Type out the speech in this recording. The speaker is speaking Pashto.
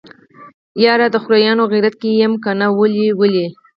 يره د خوريانو خيرات کې يم کنه ولې ولې.